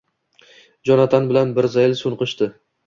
Jonatan bilan bir zayl sho‘ng‘ishdi.